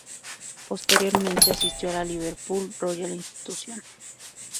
Posteriormente, asistió a la Liverpool Royal Institution.